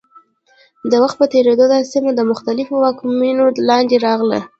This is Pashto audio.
د وخت په تېرېدو دا سیمه د مختلفو واکمنیو لاندې راغله.